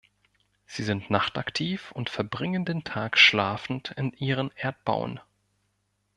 Sie sind nachtaktiv und verbringen den Tag schlafend in ihren Erdbauen.